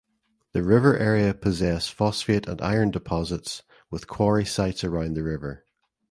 The river area possess phosphate and iron deposits with quarry sites around the river.